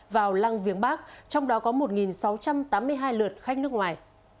vào lăng viếng bắc trong đó có một sáu trăm tám mươi hai lượt khách nước ngoài